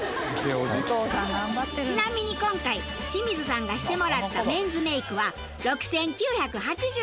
ちなみに今回清水さんがしてもらったメンズメイクは６９８０円。